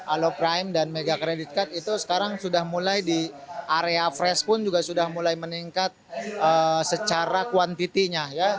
alopraim dan megakreditkart itu sekarang sudah mulai di area fresh pun juga sudah mulai meningkat secara kuantitinya